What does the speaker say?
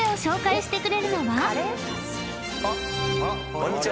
こんにちは。